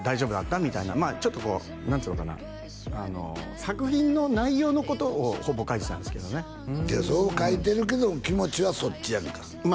みたいなちょっとこう何ていうのかな作品の内容のことをほぼ書いてたんですけどねいやそう書いてるけども気持ちはそっちやんかまあ